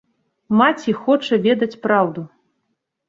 Маці хоча ведаць праўду.